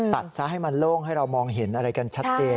ตัดซะให้มันโล่งให้เรามองเห็นอะไรกันชัดเจน